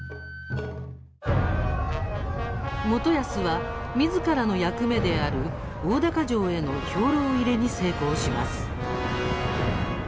元康は、みずからの役目である大高城への兵糧入れに成功します。